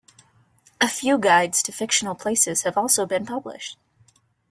A few guides to fictional places have also been published.